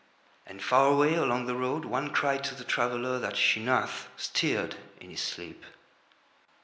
And far away along the road one cried to the traveller that Sheenath stirred in his sleep.